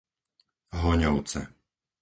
Hoňovce